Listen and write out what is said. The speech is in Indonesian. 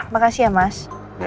makasih ya mas